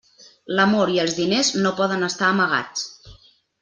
L'amor i els diners no poden estar amagats.